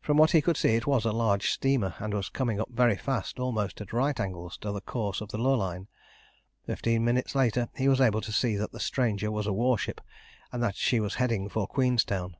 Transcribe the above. From what he could see it was a large steamer, and was coming up very fast, almost at right angles to the course of the Lurline. Fifteen minutes later he was able to see that the stranger was a warship, and that she was heading for Queenstown.